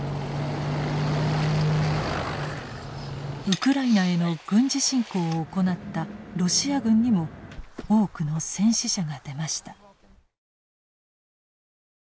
ウクライナへの軍事侵攻を行ったロシア軍にも多くの戦死者が出ました。